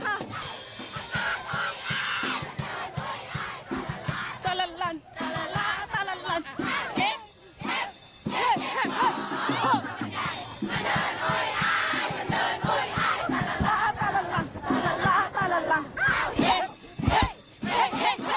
อ๋อสวัสดีค่ะ